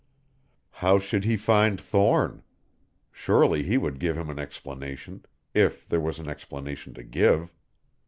How should he find Thorne? Surely he would give him an explanation if there was an explanation to give.